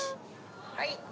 はい。